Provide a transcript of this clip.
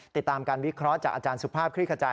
ติดตามการวิเคราะห์จากอาจารย์สุภาพคลิกขจาย